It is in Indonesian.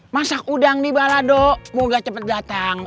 masak udang di balado moga cepet datang